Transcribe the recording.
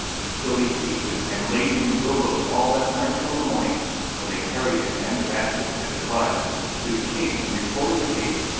So they seized him and laid him in bilboes all that night till the morning, when they carried him and the basket, as it was, to the King and reported the case.